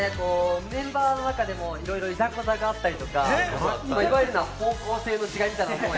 メンバーの中でもいろいろ、いざこざがあったりとか、方向性の違いみたいなのが